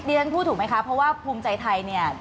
ฉันพูดถูกไหมคะเพราะว่าภูมิใจไทยเนี่ย